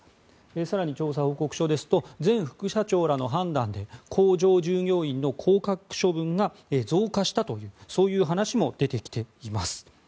更に、調査報告書ですと前副社長らの判断で工場従業員の降格処分が増加したという話も出てきています。